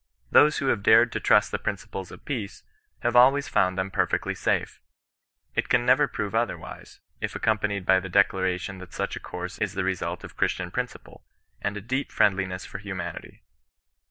" Those who have dared to trust the principles of peace, have always found them perfectly safe. It con never prove otherwise, if accompanied by the declaration that such a course is the result of Chnstian principle, and a deep friendliness for humanity.